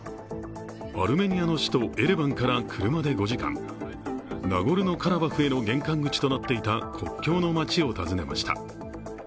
アルメニアの首都エレバンから車で５時間、ナゴルノ・カラバフの玄関口となっていた国境の街を訪ねました。